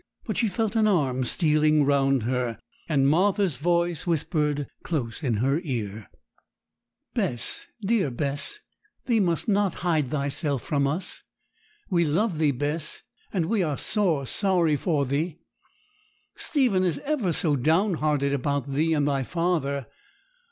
But she felt an arm stealing round her, and Martha's voice whispered close in her ear, 'Bess, dear Bess, thee must not hide thyself from us. We love thee, Bess; and we are sore sorry for thee. Stephen is ever so down hearted about thee and thy father.